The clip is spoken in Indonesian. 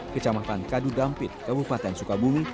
kecamatan kadugampit kabupaten sukabumi